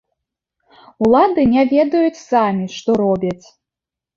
Улады не ведаюць самі, што робяць.